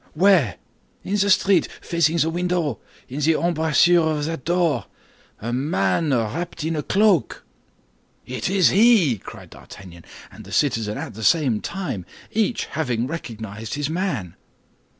"Where?" "In the street, facing your window, in the embrasure of that door—a man wrapped in a cloak." "It is he!" cried D'Artagnan and the citizen at the same time, each having recognized his man.